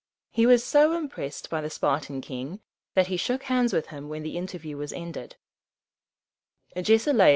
He was so impressed by the Spartan king, that he shook hands with him when the interview was ended.